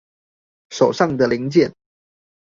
手上的零件